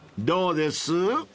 ［どうです？